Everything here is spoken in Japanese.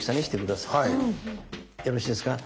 よろしいですか？